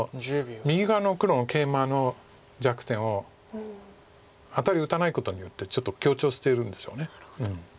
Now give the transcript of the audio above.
右側の黒のケイマの弱点をアタリ打たないことによってちょっと強調してるんですよね。